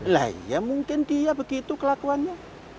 lah ya mungkin dia begitu kelakuannya